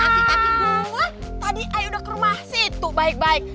tapi tapi gua tadi ayo udah ke rumah si itu baik baik